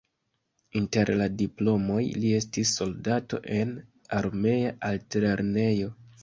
Inter la diplomoj li estis soldato en armea altlernejo.